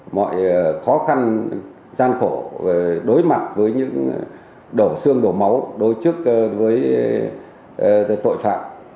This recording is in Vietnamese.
mọi khó khăn gian khổ đối mặt với những đổ xương đổ máu đối chức với tội phạm